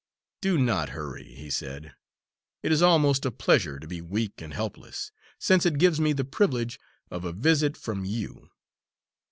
"Do not hurry," he said. "It is almost a pleasure to be weak and helpless, since it gives me the privilege of a visit from you."